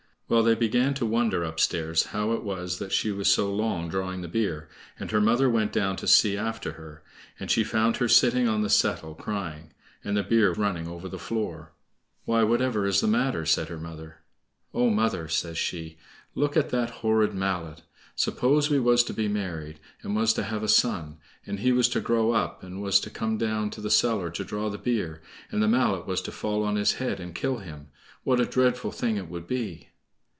Well, they began to wonder up stairs how it was that she was so long drawing the beer, and her mother went down to see after her, and she found her sitting on the settle crying, and the beer running over the floor. "Why, whatever is the matter?" said her mother. "Oh, mother!" says she, "look at that horrid mallet! Suppose we was to be married, and was to have a son, and he was to grow up, and was to come down to the cellar to draw the beer, and the mallet was to fall on his head and kill him, what a dreadful thing it would be!"